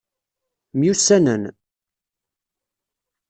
Myussanen?